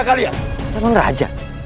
tak ada urusan lagi